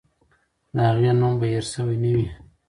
د هغې نوم به هېر سوی نه وي.